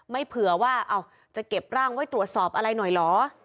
เผื่อว่าจะเก็บร่างไว้ตรวจสอบอะไรหน่อยเหรอ